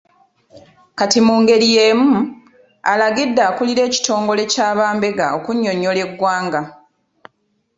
Kati mu ngeri y'emu, alagidde akulira ekitongole kya bambega okunnyonnyola eggwanga.